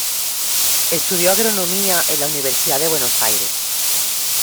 Estudió agronomía en la Universidad de Buenos Aires.